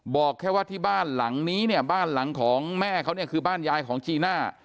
บอกแค่ว่าที่บ้านหลังนี้เนี่ยบ้านหลังของแม่เขาเนี่ยคือบ้านยายของจีน่า